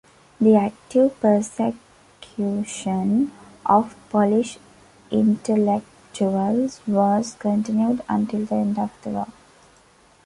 The active persecution of Polish intellectuals was continued until the end of the war.